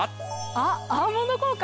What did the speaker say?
あっ「アーモンド効果」？